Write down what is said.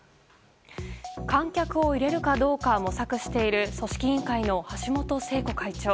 観客を入れるかどうか模索している組織委員会の橋本聖子会長。